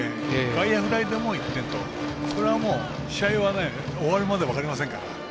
外野フライでも１点と、それは試合は終わるまで分かりませんから。